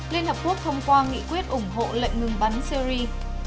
liên hợp quốc thông qua nghị quyết ủng hộ lệnh ngừng bắn syri